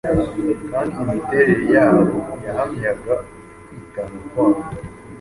kandi imiterere yabo yahamyaga ukwitanga kwabo.